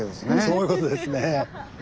そういうことですね。